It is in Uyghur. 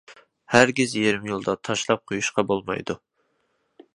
ھەرگىز يېرىم يولدا تاشلاپ قويۇشقا بولمايدۇ.